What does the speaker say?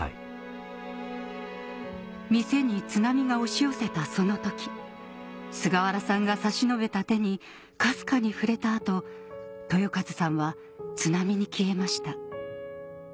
店に津波が押し寄せたその時菅原さんが差し伸べた手にかすかに触れた後豊和さんは津波に消えました